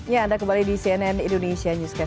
ya anda kembali di cnn indonesia newscast